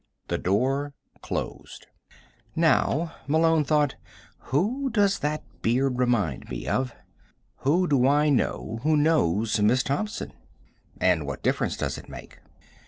The door closed. Now, Malone thought, who does that beard remind me of? Who do I know who knows Miss Thompson? And what difference does it make?